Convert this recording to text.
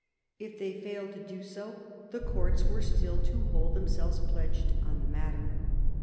If they failed to do so, the courts were still to hold themselves pledged on the matter.